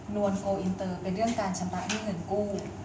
วนโกลอินเตอร์เป็นเรื่องการชำระด้วยเงินกู้